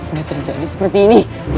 gak terjadi seperti ini